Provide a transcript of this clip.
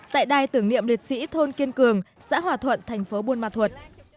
tại đài tưởng niệm liệt sĩ thôn kiên cường xã hòa thuận tp buôn ma thuật